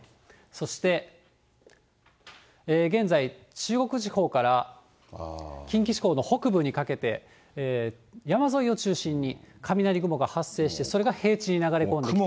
そして、現在、中国地方から近畿地方の北部にかけて、山沿いを中心に雷雲が発生して、それが平地に流れ込んできている。